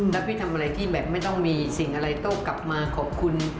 แล้วพี่ทำอะไรที่แบบไม่ต้องมีสิ่งอะไรโต้กลับมาขอบคุณ